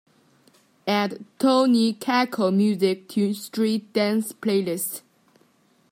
Add Tony Kakko music to Street Dance playlist